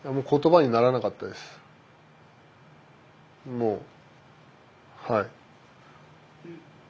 もうはい。